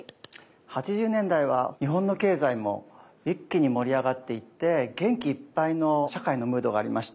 ８０年代は日本の経済も一気に盛り上がっていって元気いっぱいの社会のムードがありました。